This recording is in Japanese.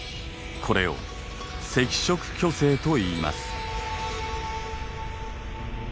これを赤色巨星といいます。